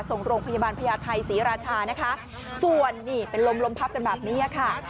ส่งโรงพยาบาลพญาไทยศรีราชานะคะส่วนนี่เป็นลมลมพับกันแบบนี้ค่ะ